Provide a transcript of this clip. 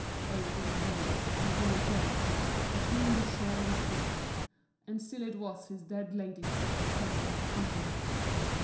O Willie rade, and Willie gaed Atween the shore and sea, And still it was his dead Lady That kept him company.